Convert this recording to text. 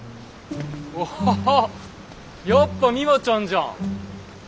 あっやっぱミワちゃんじゃん。